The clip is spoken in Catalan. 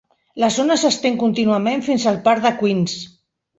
La zona s'estén contínuament fins al parc de Queens.